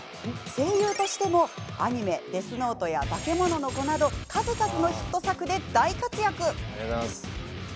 声優としてもアニメ「ＤＥＡＴＨＮＯＴＥ」や「バケモノの子」など数々のヒット作で大活躍。